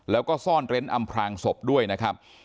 แล้วก็ซ่อนเร้นอำพลางศพด้วยนะครับ